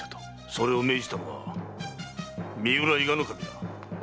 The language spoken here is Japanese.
それを命じたのは三浦伊賀守だ。